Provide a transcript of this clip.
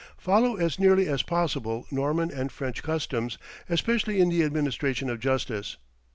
Follow as nearly as possible Norman and French customs, especially in the administration of justice.